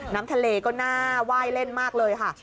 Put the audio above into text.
น้ำทะเลก็น่าไหว้เล่นมากเลยค่ะ